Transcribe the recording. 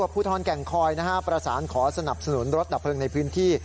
ภูทรแก่งคอยประสานขอสนับสนุนรถดับเพลิงในพื้นที่